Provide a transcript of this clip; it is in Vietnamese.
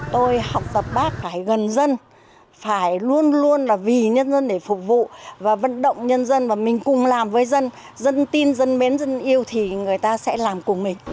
tôi học tập bác phải gần dân phải luôn luôn là vì nhân dân để phục vụ và vận động nhân dân và mình cùng làm với dân dân tin dân mến dân yêu thì người ta sẽ làm cùng mình